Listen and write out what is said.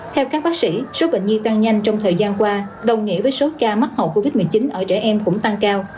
theo các bác sĩ số bệnh nhi tăng nhanh trong thời gian qua đồng nghĩa với số ca mắc hậu covid một mươi chín ở trẻ em cũng tăng cao